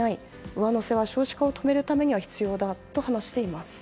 上乗せは少子化を止めるためには必要だと話しています。